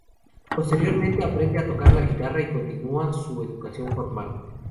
Posteriormente aprende a tocar la guitarra y continúa su educación formal.